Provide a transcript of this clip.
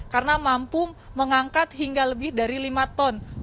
karena mampu mengangkat hingga lebih dari lima ton